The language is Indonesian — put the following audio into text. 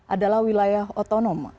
adalah wilayah otonom